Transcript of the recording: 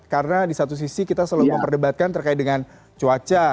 karena di satu sisi kita selalu memperdebatkan terkait dengan cuaca